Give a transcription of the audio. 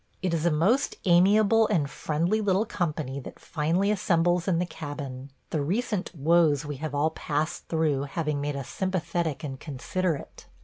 It is a most amiable and friendly little company that finally assembles in the cabin; the recent woes we have all passed through having made us sympathetic and considerate.